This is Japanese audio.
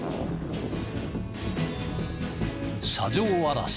車上あらし